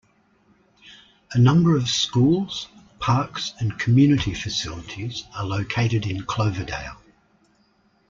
A number of schools, parks and community facilities are located in Cloverdale.